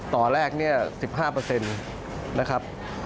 ต่อแรก๑๕นะครับ